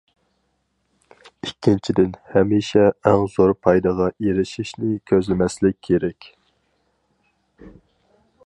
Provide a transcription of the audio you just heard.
ئىككىنچىدىن، ھەمىشە ئەڭ زور پايدىغا ئېرىشىشنى كۆزلىمەسلىك كېرەك.